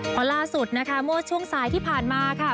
พอล่าสุดโมชช่วงสายที่ผ่านมาค่ะ